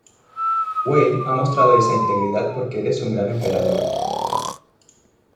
Wei ha mostrado esa integridad porque eres un gran emperador.